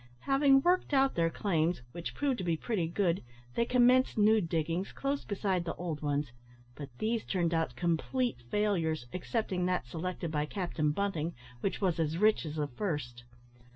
Having worked out their claims, which proved to be pretty good, they commenced new diggings close beside the old ones, but these turned out complete failures, excepting that selected by Captain Bunting, which was as rich as the first.